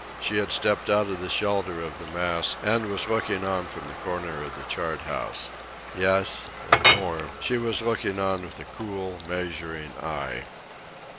She had stepped out of the shelter of the mast and was looking on from the corner of the chart house. Yes, and more; she was looking on with a cool, measuring eye.